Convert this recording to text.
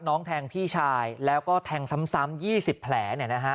น้องแทงพี่ชายแล้วก็แทงซ้ำ๒๐แผล